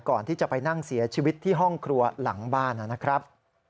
ก่อนที่จะไปนั่งเสียชีวิตที่ห้องครัวหลังบ้านนะครับ